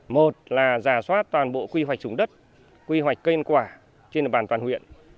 một là giả soát toàn bộ quy hoạch chủng đất quy hoạch cây ăn quả trên địa bàn toàn huyện